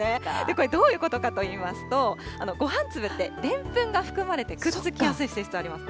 これ、どういうことかといいますと、ごはん粒ってでんぷんが含まれて、くっつきやすい性質あります。